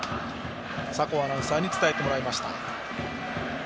酒匂アナウンサーに伝えてもらいました。